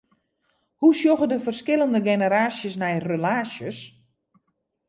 Hoe sjogge de ferskillende generaasjes nei relaasjes?